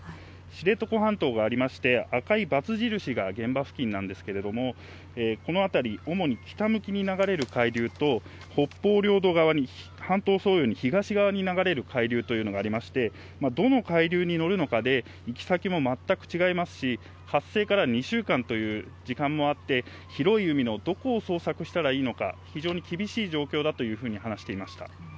知床半島がありまして、赤いばつ印が現場付近なんですけれども、この辺り、主に北向きに流れる海流と、北方領土側に半島を沿うように東側に流れる海流というのがありまして、どの海流に乗るのかで、行き先も全く違いますし、発生から２週間という時間もあって、広い海のどこを捜索したらいいのか、非常に厳しい状況だというふうに話していました。